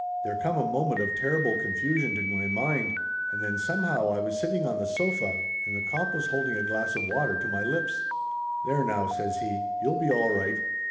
There come a moment of terrible confusion to jrny mind, and then somehow I was sitting on the sofa and the cop was holding a glass of water to my lips. "There now !" says he. "You'll be all right.